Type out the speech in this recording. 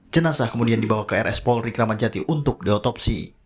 jenazah kemudian dibawa ke rs polri kramajati untuk diotopsi